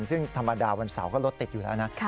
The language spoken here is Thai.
ซึ่งธรรมดาวันเสาร์ก็รถติดอยู่แล้วนะ